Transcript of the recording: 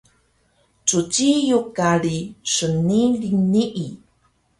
Cciyuk kari sniling nii